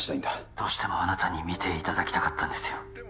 どうしてもあなたに見ていただきたかったんですよ